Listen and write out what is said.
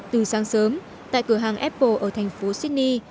từ sáng sớm tại cửa hàng apple ở thành phố sydney